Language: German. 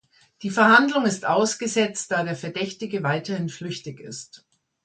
Die Verhandlung ist ausgesetzt, da der Verdächtige weiterhin flüchtig ist.